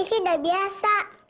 kamu mau carikeiten saya